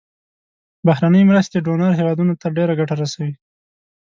بهرنۍ مرستې ډونر هیوادونو ته ډیره ګټه رسوي.